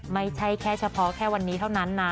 ไม่ใช่แค่เฉพาะแค่วันนี้เท่านั้นนะ